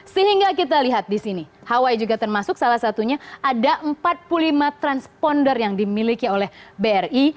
sehingga kita lihat di sini hawaii juga termasuk salah satunya ada empat puluh lima transponder yang dimiliki oleh bri